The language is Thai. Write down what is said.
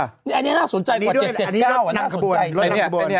อันนี้น่าสนใจกว่า๗๗๙น่าสนใจมาก